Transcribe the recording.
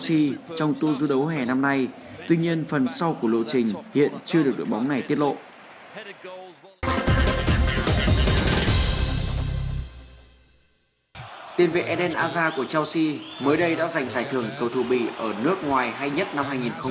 tiền vệ eden aja của chelsea mới đây đã giành giải thưởng cầu thủ bị ở nước ngoài hay nhất năm hai nghìn một mươi bảy